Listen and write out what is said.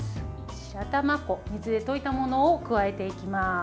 白玉粉、水で溶いたものを加えていきます。